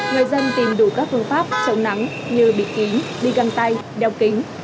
người dân tìm đủ các phương pháp chống nắng như bịt kín đi găng tay đeo kính